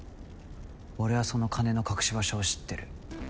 俺はその金の隠し場所を知ってる。